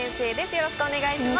よろしくお願いします。